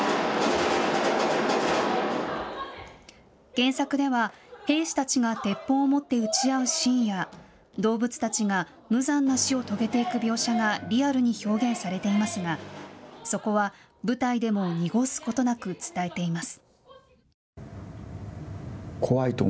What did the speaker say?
原作では兵士たちが鉄砲を持って撃ち合うシーンや動物たちが無残な死を遂げていく描写がリアルに表現されていますがそこは舞台でも濁すことなく伝えています。